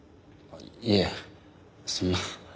いえそんな。